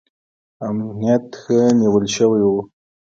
امنیت ښه نیول شوی و.